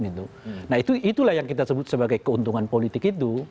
nah itulah yang kita sebut sebagai keuntungan politik itu